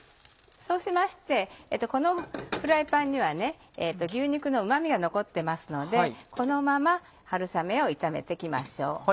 そうしましてこのフライパンには牛肉のうま味が残ってますのでこのまま春雨を炒めて行きましょう。